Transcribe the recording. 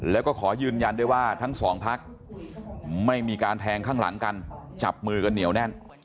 แล้วก็ขอยืนยันได้ว่าทั้งสองพักไม่มีการแทงข้างหลังกันจับมือกันเหนียวแน่น